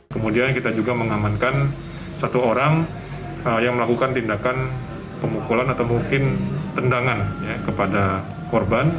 kemudian kita juga mengamankan satu orang yang melakukan tindakan pemukulan atau mungkin tendangan kepada korban